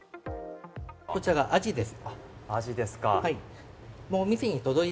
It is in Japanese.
こちらがアジです。